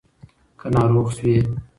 که ناروغ شوې